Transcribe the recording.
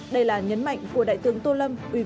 đây là nhấn mạnh của đại tướng tô lâm